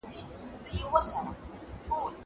زه کولای سم نان وخورم.